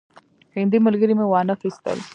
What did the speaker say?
هندي ملګري مې وانه خیستل.